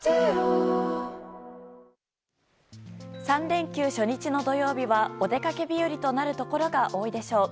３連休初日の土曜日はお出かけ日和となるところが多いでしょう。